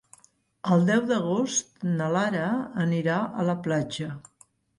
El deu d'agost na Lara anirà a la platja.